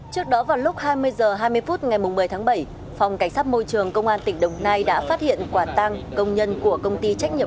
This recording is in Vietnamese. trước đó vào lúc hai mươi h hai mươi phút ngày một mươi tháng bảy phòng cảnh sát môi trường công an tỉnh đồng nai đã phát hiện quả tăng công nhân của công ty trách nhiệm